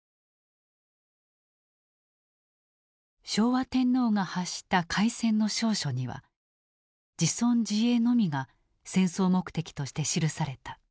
昭和天皇が発した開戦の詔書には自存自衛のみが戦争目的として記された。